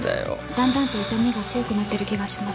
だんだんと痛みが強くなってる気がします。